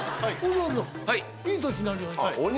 いい年になるように。